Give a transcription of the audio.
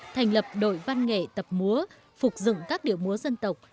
thành lập đội văn nghệ tập múa phục dựng các điệu múa dân tộc